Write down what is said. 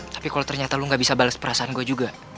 tapi kalau ternyata lu gak bisa bales perasaan gue juga